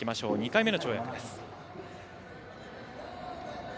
２回目の跳躍です。